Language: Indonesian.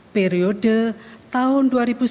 periode tahun dua ribu sembilan belas dua ribu dua puluh empat